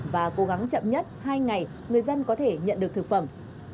và cố gắng chậm nhất hai ngày người dân có thể nhận được thực phẩm